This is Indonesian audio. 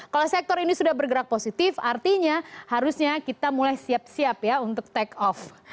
kalau sektor ini sudah bergerak positif artinya harusnya kita mulai siap siap ya untuk take off